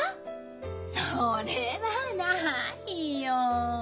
それはないよ。